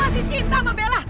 kamu masih cinta sama bella